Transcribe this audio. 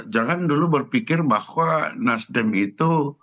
jangan dulu berpikir bahwa nasdem itu